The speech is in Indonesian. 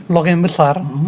logam yang besar